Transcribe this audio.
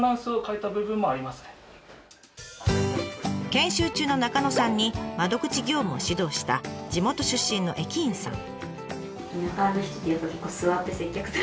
研修中の中野さんに窓口業務を指導した地元出身の駅員さん。